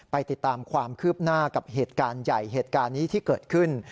ติดตามความคืบหน้ากับเหตุการณ์ใหญ่เหตุการณ์นี้ที่เกิดขึ้น